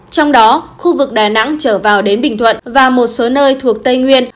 trong đó khu vực đà nẵng trở vào đến bình thuận và một số nơi thuộc tây nguyên